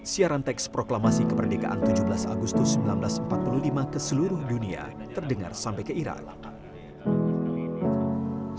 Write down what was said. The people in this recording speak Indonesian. siaran teks proklamasi kemerdekaan tujuh belas agustus seribu sembilan ratus empat puluh lima ke seluruh dunia terdengar sampai ke iran